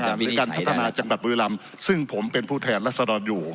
ในการพัฒนาจังหักมือลำซึ่งผมเป็นผู้แทนรัศนาจรรย์อยู่